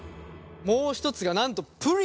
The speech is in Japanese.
もう一つがなんとプリン。